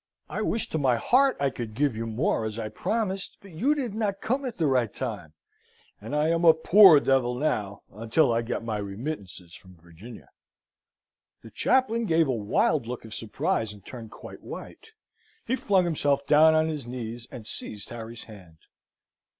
I wish to my heart I could give more as I promised; but you did not come at the right time, and I am a poor devil now until I get my remittances from Virginia." The chaplain gave a wild look of surprise, and turned quite white. He flung himself down on his knees and seized Harry's hand.